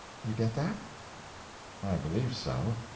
You get that?" "I believe so.